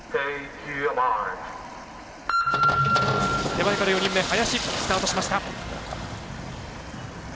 手前から４人目、林スタートしました。